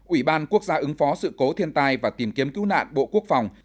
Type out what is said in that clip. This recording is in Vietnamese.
ủy ban quốc gia ứng phó sự cố thiên tai và tìm kiếm cứu nạn bộ quốc phòng